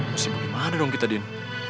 mesti bagaimana dong kita dino